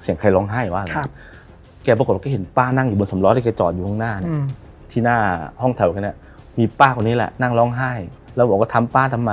เสียงใครร้องไห้ว่าอะไรแกปรากฏว่าแกเห็นป้านั่งอยู่บนสำล้อที่แกจอดอยู่ข้างหน้าเนี่ยที่หน้าห้องแถวแค่นี้มีป้าคนนี้แหละนั่งร้องไห้แล้วบอกว่าทำป้าทำไม